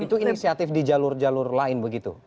itu inisiatif di jalur jalur lain begitu